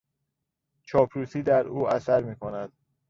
چاپلوسی در او اثر میکند.